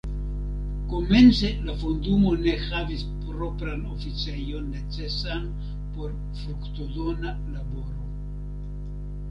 Komence la fondumo ne havis propran oficejon necesan por fruktodona laboro.